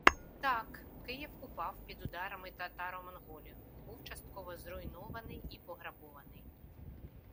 Так, Київ упав під ударами татаро-монголів, був частково зруйнований і пограбований